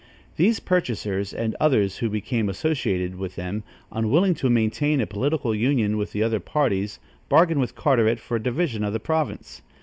These purchasers and others who became associated with them, unwilling to maintain a political union with other parties, bargained with Carteret for a division of the province.